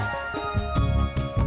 mau tahu aja